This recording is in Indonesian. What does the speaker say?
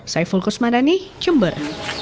saya fulkus madani jember